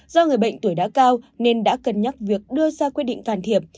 do người bệnh tuổi đã cao nên đã cân nhắc việc đưa ra quyết định can thiệp